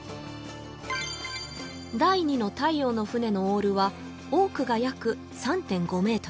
第二の太陽の船のオールは多くが約３．５ｍ